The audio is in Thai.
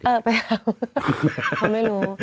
เออไปถามผมไม่รู้